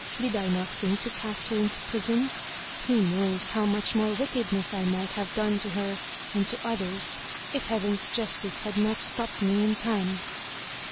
Did I not think to cast her into prison? Who knows how much more wickedness I might have done to her and to others if heaven's justice had not stopped me in time."